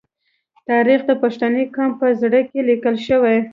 تاریخ د پښتني قام په زړه کې لیکل شوی.